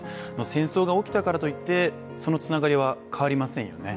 戦争が起きたからといってそのつながりは変わりませんよね。